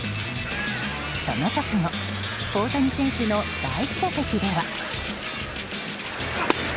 その直後大谷選手の第１打席では。